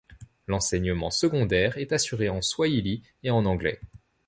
L'enseignement secondaire est assuré en swahili et en anglais.